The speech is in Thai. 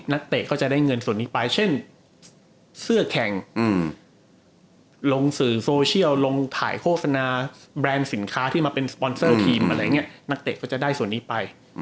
นักเตะก็จะได้เงินส่วนนี้ไปเช่นเสื้อแข่งลงสื่อโซเชียลลงถ่ายโฆษณาแบรนด์สินค้ามาเป็นสปอนเซอร์ทีมส่วนนี้ไป